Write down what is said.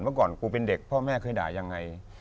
เมื่อก่อนกูเป็นเด็กพ่อแม่เคยด่ายังไง